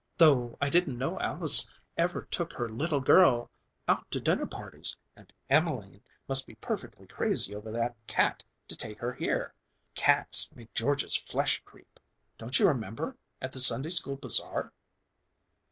though I didn't know Alys ever took her little girl out to dinner parties, and Emelene must be perfectly crazy over that cat to take her here. Cats make George's flesh creep. Don't you remember, at the Sunday School Bazaar."